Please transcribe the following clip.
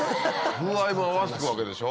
風合いも合わすわけでしょ？